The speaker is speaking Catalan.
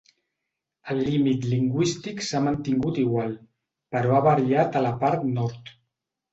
El límit lingüístic s'ha mantingut igual, però ha variat a la part nord.